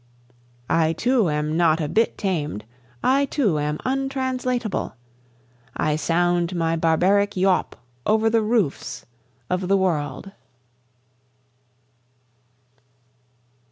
I too am not a bit tamed, I too am untranslatable, I sound my barbaric yawp over the roofs of the world.